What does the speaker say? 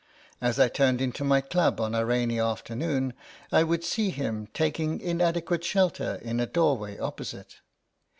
As I turned into my club on a rainy afternoon I would see him taking in adequate shelter in a doorway opposite.